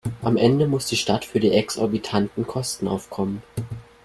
Am Ende muss die Stadt für die exorbitanten Kosten aufkommen.